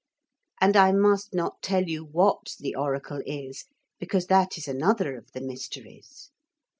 And I must not tell you what the oracle is because that is another of the mysteries.